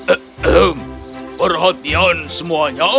ehem perhatian semuanya